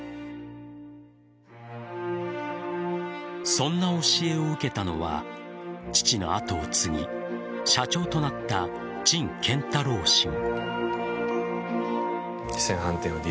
そんな教えを受けたのは父の跡を継ぎ社長となった陳建太郎氏も。